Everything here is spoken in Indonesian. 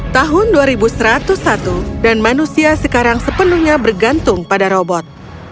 tahun dua ribu satu ratus satu dan manusia sekarang sepenuhnya bergantung pada robot